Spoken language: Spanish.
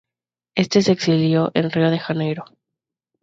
Éste se exilió en Río de Janeiro.